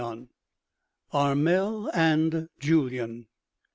ARMEL AND JULYAN.